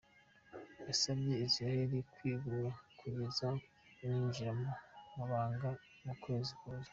Yasavye Israeli "kwigumya" kugeza ni yinjira mu mabanga mu kwezi kuza.